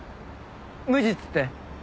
無実って？